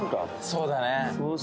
そうだね